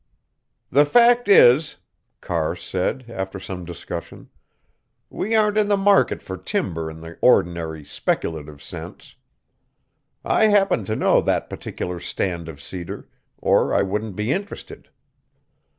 "The fact is," Carr said after some discussion, "we aren't in the market for timber in the ordinary, speculative sense. I happen to know that particular stand of cedar, or I wouldn't be interested.